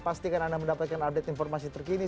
pastikan anda mendapatkan update informasi terkini